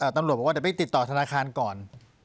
ตำรวจบอกว่าเดี๋ยวไปติดต่อธนาคารก่อน